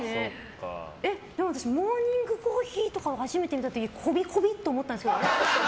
でも、私「モーニングコーヒー」を初めて見た時こびこびと思ったんですけど。